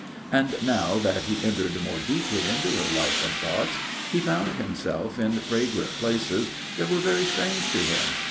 And now that he entered more deeply into her life and thoughts, he found himself in fragrant places that were very strange to him.